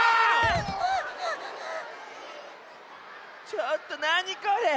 ちょっとなにこれ！